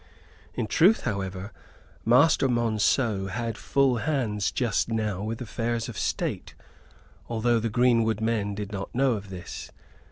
(In truth, however, Master Monceux had full hands just now with affairs of state, although the greenwood men did not know of this.